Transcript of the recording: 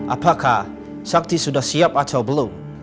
apakah sakti sudah siap atau belum